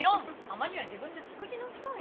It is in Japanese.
たまには自分で作りなさい。